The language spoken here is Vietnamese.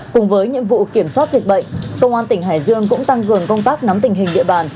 cùng với nhiệm vụ kiểm soát dịch bệnh công an tỉnh hải dương cũng tăng cường công tác nắm tình hình địa bàn